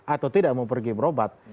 atau tidak mau pergi berobat